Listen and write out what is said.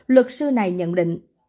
lực sư này nhận định